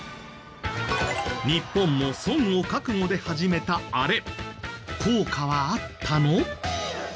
日本も損を覚悟で始めたあれ効果はあったの？